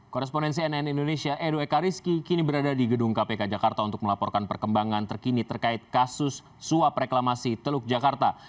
korespondensi nn indonesia edo ekariski kini berada di gedung kpk jakarta untuk melaporkan perkembangan terkini terkait kasus suap reklamasi teluk jakarta